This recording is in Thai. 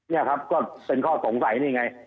นี่ครับก็เป็นข้อสงสัยนี่ไง